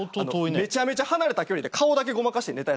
めちゃめちゃ離れた距離で顔だけごまかしてネタやってたらしくて。